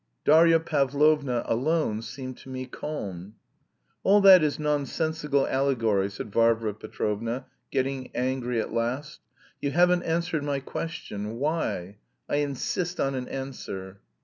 Darya Pavlovna alone seemed to me calm. "All that is nonsensical allegory," said Varvara Petrovna, getting angry at last. "You haven't answered my question, why? I insist on an answer."